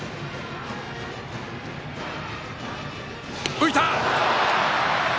浮いた！